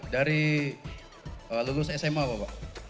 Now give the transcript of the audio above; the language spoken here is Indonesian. dari lulus sma bapak